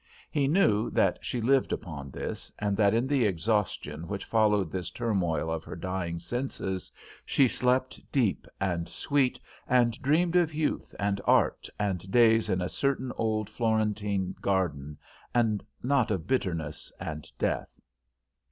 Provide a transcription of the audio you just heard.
He knew that she lived upon this, and that in the exhaustion which followed this turmoil of her dying senses, she slept deep and sweet, and dreamed of youth and art and days in a certain old Florentine garden, and not of bitterness and death.